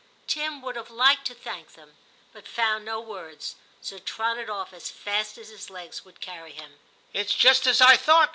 Tim would have liked to thank them, but found no words, so trotted off as fast as his legs would carry him. * It's just as I thought.